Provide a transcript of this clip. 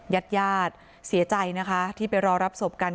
ยัดเสียใจนะคะที่ไปรอรับศพกัน